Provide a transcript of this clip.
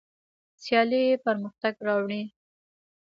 سیالي پرمختګ راولي.